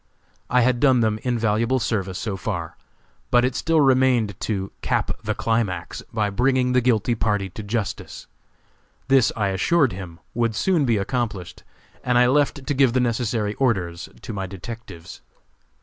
I had done them invaluable service so far, but it still remained to "cap the climax" by bringing the guilty party to justice. This I assured him would soon be accomplished, and I left to give the necessary orders to my detectives.